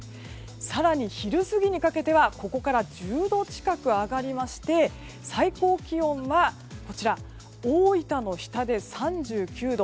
更に昼過ぎにかけてはここから１０度近く上がりまして最高気温は大分の日田で３９度。